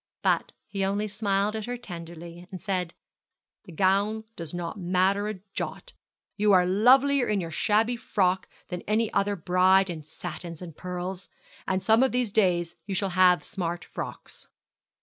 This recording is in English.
But he only smiled at her tenderly, and said 'The gown does not matter a jot; you are lovelier in your shabby frock than any other bride in satin and pearls. And some of these days you shall have smart frocks.'